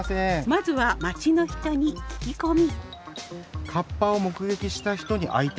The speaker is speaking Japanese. まずは町の人に聞き込み。